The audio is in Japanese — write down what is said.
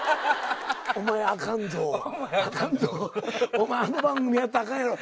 お前あの番組やったらあかんやろう。